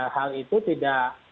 hal itu tidak